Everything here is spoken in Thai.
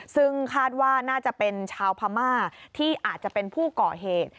ซึ่งคาดว่าน่าจะเป็นชาวพม่าที่อาจจะเป็นผู้ก่อเหตุ